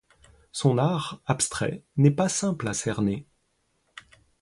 Son art, abstrait, n'est pas simple à cerner.